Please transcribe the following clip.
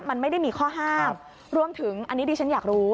มันไม่ได้มีข้อห้ามรวมถึงอันนี้ดิฉันอยากรู้